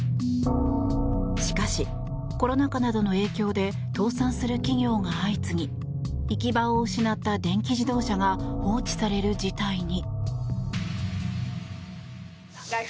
しかし、コロナ禍などの影響で倒産する企業が相次ぎ行き場を失った電気自動車が放置される事態に。